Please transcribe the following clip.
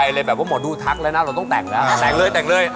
คนนี้แหละใช่แล้วเลยแต่งเลยแต่งเลย